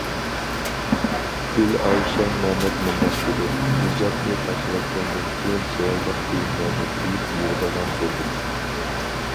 گۈلئايشەم مەمەت مۇنداق دېدى: ھىجابنى تاشلىۋەتكەندىن كېيىن، چىرايلىق كىيىملەرنى كىيىپ يۈرىدىغان بولدۇم.